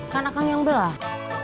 kan akang yang belah